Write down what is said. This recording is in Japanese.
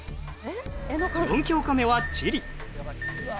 ４教科目は地理。